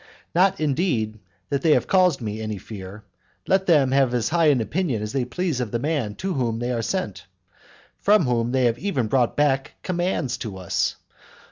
Not, indeed, that they have caused me any fear let them have as high an opinion as they please of the man to whom they were sent; from whom they have even brought back commands to us.